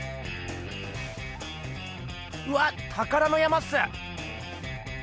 うわったからの山っす！